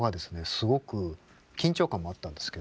すごく緊張感もあったんですけど。